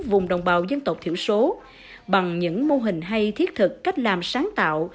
vùng đồng bào dân tộc thiểu số bằng những mô hình hay thiết thực cách làm sáng tạo